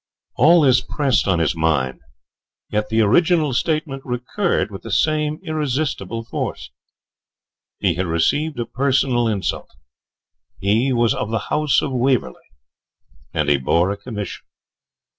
All this pressed on his mind; yet the original statement recurred with the same irresistible force. He had received a personal insult; he was of the house of Waverley; and he bore a commission.